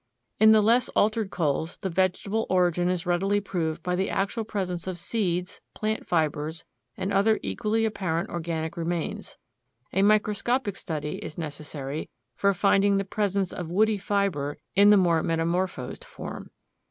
In the less altered coals the vegetable origin is readily proved by the actual presence of seeds, plant fibers, and other equally apparent organic remains. A microscopic study is necessary for finding the presence of woody fiber in the more metamorphosed form.